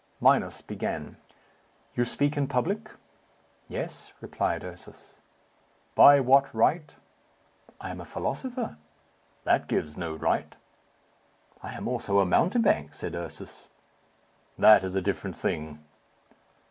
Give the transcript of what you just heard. Minos began. "You speak in public?" "Yes," replied Ursus. "By what right?" "I am a philosopher." "That gives no right." "I am also a mountebank," said Ursus. "That is a different thing."